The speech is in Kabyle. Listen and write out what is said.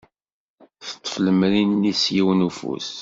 Teṭṭef lemri-nni s yiwen n ufus.